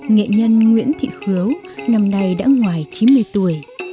nghệ nhân nguyễn thị khứu năm nay đã ngoài chín mươi tuổi